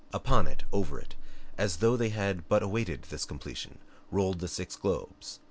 Upon it, over it, as though they had but awaited this completion, rolled the six globes.